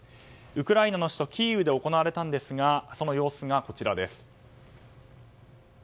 ウクライナの首都キーウで行われたんですがその様子がこちらです。